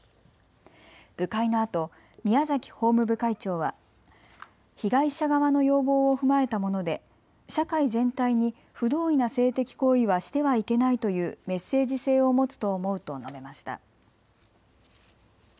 部会のあと宮崎法務部会長は被害者側の要望を踏まえたもので社会全体に不同意な性的行為はしてはいけないというメッセージ性を持つと思うと述べました。